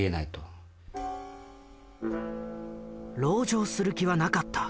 「ろう城する気はなかった」。